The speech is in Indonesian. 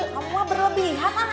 kamu mah berlebihan ang